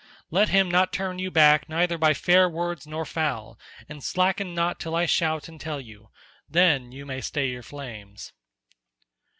Let him not turn you back neither by fair words nor foul, and slacken not till I shout and tell you. Then you may stay your flames."